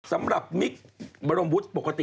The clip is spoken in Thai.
สำหรับมิคบรมวุฒิปกติ